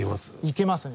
いけますね。